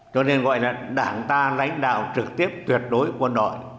cho nên gọi là đảng ta lãnh đạo trực tiếp tuyệt đối quân đội